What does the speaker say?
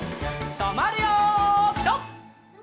とまるよピタ！